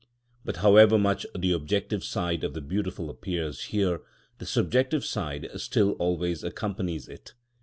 But however much the objective side of the beautiful appears here, the subjective side still always accompanies it.